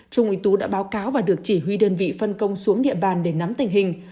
trung úy tú đã báo cáo và được chỉ huy đơn vị phân công xuống địa bàn để nắm tình hình